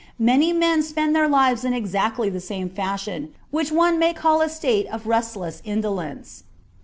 Many men spend their lives in exactly the same fashion, which one may call a state of restless indolence.